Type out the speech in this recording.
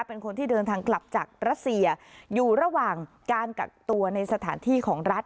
เป็นคนที่เดินทางกลับจากรัสเซียอยู่ระหว่างการกักตัวในสถานที่ของรัฐ